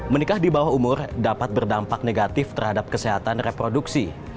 menikah di bawah umur dapat berdampak negatif terhadap kesehatan reproduksi